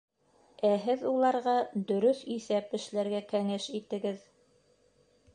Ә һеҙ уларға дөрөҫ иҫәп эшләргә кәңәш итегеҙ.